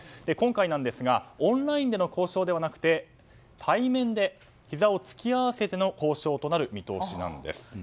今回ですがオンラインでの交渉ではなくて対面で、ひざを突き合わせての交渉となる見通しです。